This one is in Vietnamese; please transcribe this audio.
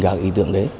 các ý tưởng đấy